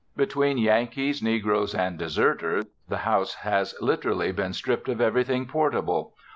Between Yankees, negroes and deserters, the house has literally been stripped of everything portable.